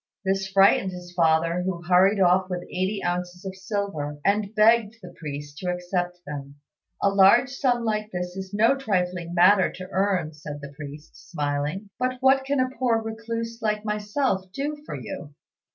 This frightened his father, who hurried off with eighty ounces of silver, and begged the priest to accept them. "A large sum like this is no trifling matter to earn," said the priest, smiling; "but what can a poor recluse like myself do for you?"